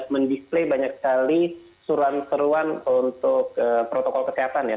men display banyak sekali suruan suruan untuk protokol kesehatan ya